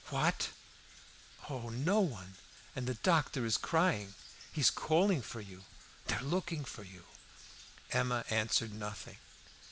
"What?" "Oh, no one! And the doctor is crying. He is calling for you; they're looking for you." Emma answered nothing.